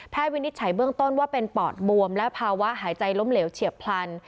วินิจฉัยเบื้องต้นว่าเป็นปอดบวมและภาวะหายใจล้มเหลวเฉียบพลัน